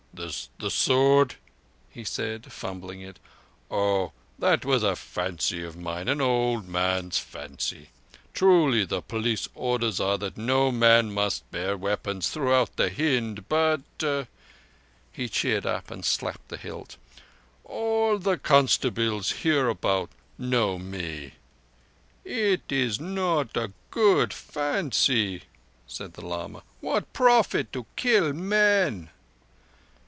"The sword," he said, fumbling it. "Oh, that was a fancy of mine an old man's fancy. Truly the police orders are that no man must bear weapons throughout Hind, but"—he cheered up and slapped the hilt—"all the constabeels hereabout know me." "It is not a good fancy," said the lama. "What profit to kill men?"